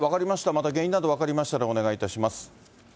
また原因など分かりましたら、お願いいたします。